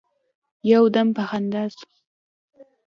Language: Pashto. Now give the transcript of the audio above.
يو دم په خندا سو.